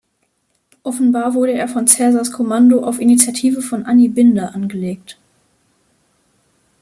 Offenbar wurde er von Caesars Kommando auf Initiative von Anni Binder angelegt.